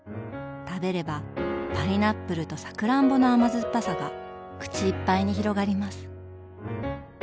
食べればパイナップルとさくらんぼの甘酸っぱさが口いっぱいに広がります。